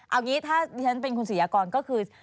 เอางี้ถ้าที่ฉันเป็นคุณศรียากรก็คือ